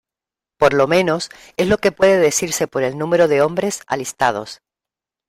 Por lo menos, es lo que puede decirse por el número de hombres alistados.